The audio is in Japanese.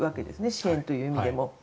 支援という意味でも。